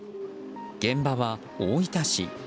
現場は大分市。